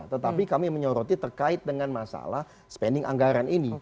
tetapi kami menyoroti terkait dengan masalah spending anggaran ini